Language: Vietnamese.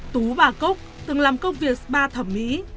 tú bà cúc từng làm công việc spa thẩm mỹ